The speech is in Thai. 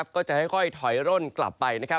ก็จะค่อยถอยร่นกลับไป